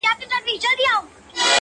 په يوه ګډ مجلس کي